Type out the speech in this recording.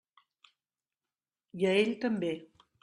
I a ell també.